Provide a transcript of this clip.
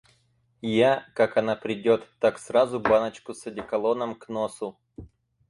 Я, как она придет, так сразу баночку с одеколоном к носу.